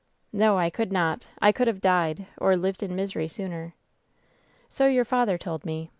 "No, I could not — I could have died, or lived in mis ery sooner." "So your father told me.